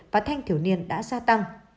và thanh thiểu niên đã gia tăng